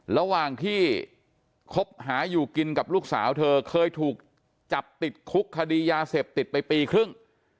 ระหว่างที่คบหาอยู่กินกับลูกสาวเธอเคยถูกจับติดคุกคดียาเสพติดไปปีครึ่ง